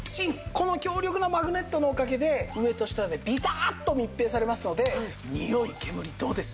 この強力なマグネットのおかげで上と下でビターッと密閉されますのでにおい煙どうです？